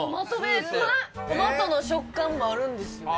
トマトの食感もあるんです。